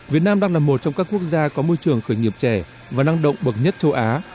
việt nam đang là một trong các quốc gia có môi trường khởi nghiệp trẻ và năng động bậc nhất châu á